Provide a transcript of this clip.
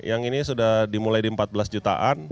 yang ini sudah dimulai di empat belas jutaan